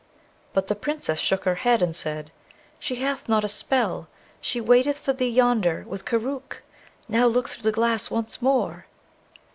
But the Princess shook her head, and said, 'She hath not a spell! She waiteth for thee yonder with Koorookh. Now, look through the glass once more.'